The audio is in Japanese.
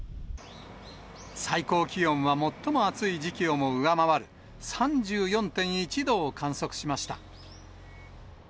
最高気温は最も暑い時期をも上回る３４．１度を観測しました。